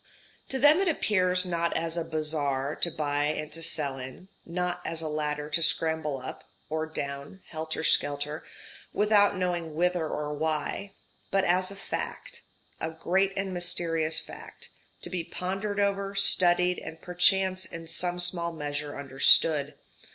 To them it appears not as a bazaar to buy and to sell in; not as a ladder to scramble up (or down) helter skelter without knowing whither or why; but as a fact a great and mysterious fact to be pondered over, studied, and perchance in some small measure understood.